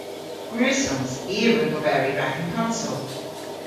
Gwrussons. I a wrug oberi rag an konsel.